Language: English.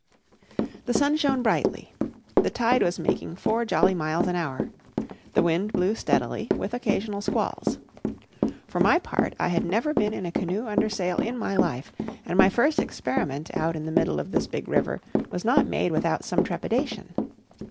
The sun shone brightly; the tide was making—four jolly miles an hour; the wind blew steadily, with occasional squalls. For my part, I had never been in a canoe under sail in my life; and my first experiment out in the middle of this big river was not made without some trepidation.